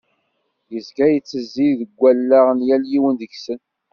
Yezga yettezzi deg wallaɣ n yal yiwen deg-sen.